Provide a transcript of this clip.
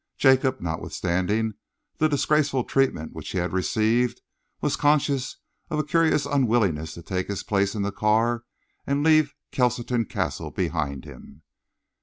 Jacob, notwithstanding the disgraceful treatment which he had received, was conscious of a curious unwillingness to take his place in the car and leave Kelsoton Castle behind him.